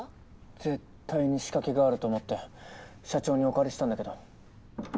絶対に仕掛けがあると思って社長にお借りしたんだけど。